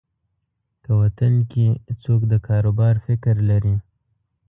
که وطن کې څوک د کاروبار فکر لري.